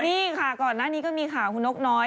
นี่ค่ะก่อนหน้านี้ก็มีข่าวคุณนกน้อย